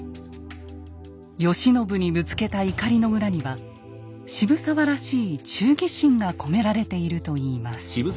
慶喜にぶつけた怒りの裏には渋沢らしい忠義心が込められているといいます。